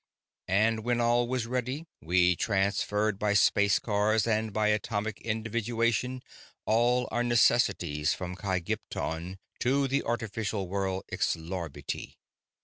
"And when all was ready, we transferred by space cars and by atomic individuation all our necessities from Kygpton to the artificial world Xlarbti.